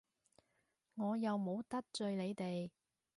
我又冇得罪你哋！